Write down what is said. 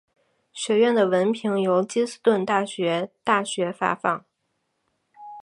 学院的文凭由金斯顿大学大学发放。